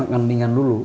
makan ringan dulu